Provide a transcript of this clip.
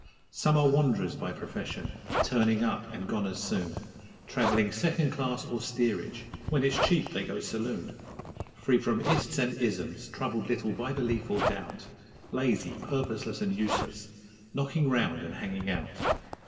Some are wanderers by profession, 'turning up' and gone as soon, Travelling second class, or steerage (when it's cheap they go saloon); Free from 'ists' and 'isms', troubled little by belief or doubt Lazy, purposeless, and useless knocking round and hanging out.